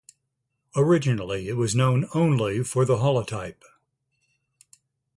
Originally it was known only from the holotype.